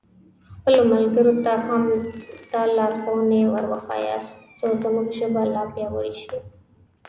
خپلو ملګرو ته هم دا لارښوونې ور وښیاست څو زموږ ژبه لا پیاوړې شي.